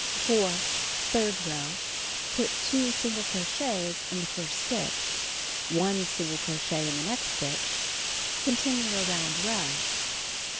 4. Third row: Put 2 single crochets in the first stitch, 1 single crochet in the next stitch. Continue around row.